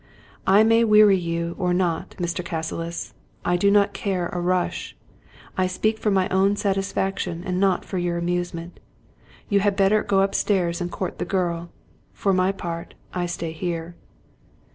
I may weary you or not, Mr. Cassilis, I do not care a rush ; I speak for my own satisfaction, and not for your amusement. You had better go upstairs and court the girl ; for my part, I stay here."